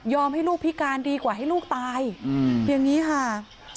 ให้ลูกพิการดีกว่าให้ลูกตายอย่างนี้ค่ะ